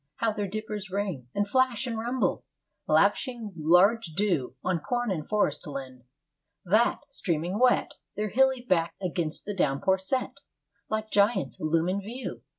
How their dippers ring And flash and rumble! lavishing large dew On corn and forestland, that, streaming wet, Their hilly backs against the downpour set, Like giants, loom in view.